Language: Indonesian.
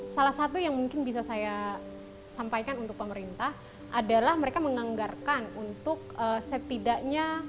salah satu yang mungkin bisa saya sampaikan untuk pemerintah adalah mereka menganggarkan untuk setidaknya